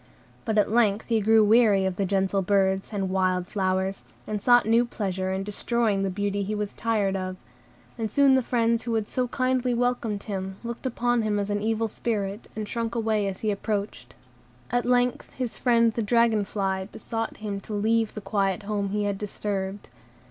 But at length he grew weary of the gentle birds, and wild flowers, and sought new pleasure in destroying the beauty he was tired of; and soon the friends who had so kindly welcomed him looked upon him as an evil spirit, and shrunk away as he approached. At length his friend the dragon fly besought him to leave the quiet home he had disturbed.